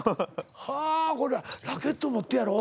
はあこれラケット持ってやろ。